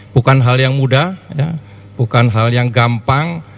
bukan hal yang mudah bukan hal yang gampang